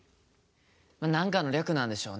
何かの略なんでしょうね。